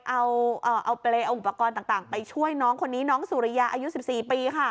เอาเปรย์เอาอุปกรณ์ต่างไปช่วยน้องคนนี้น้องสุริยาอายุ๑๔ปีค่ะ